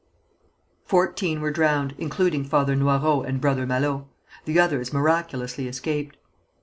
Fourteen were drowned, including Father Noyrot and Brother Malot. The others miraculously escaped.